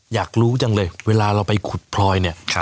อยากรู้จังเลยเวลาเราไปขุดพลอยเนี่ย